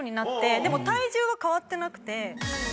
でも体重は変わってなくて。